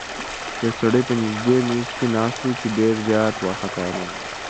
یو سړی په نږدې میز کې ناست و چې ډېر زیات وارخطا معلومېده.